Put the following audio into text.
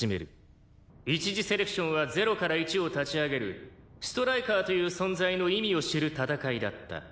「一次セレクションは０から１を立ち上げるストライカーという存在の意味を知る戦いだった」